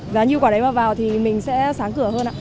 giá như quả đấy mà vào thì mình sẽ sáng cửa hơn ạ